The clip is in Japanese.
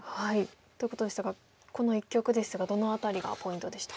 ということでしたがこの一局ですがどの辺りがポイントでしたか。